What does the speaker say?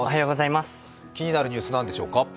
気になるニュース、何でしょうか？